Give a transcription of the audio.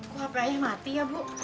kok hape ayah mati ya bu